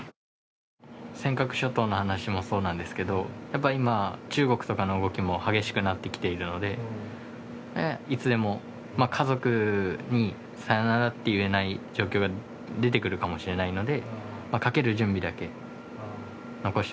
尖閣諸島の話もそうなんですけど、今、中国とかの動きも激しくなってきているのでいつでも、家族にさよならと言えない状況が出てくるかもしれないので。